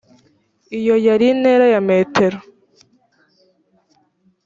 iyo yari intera ya metero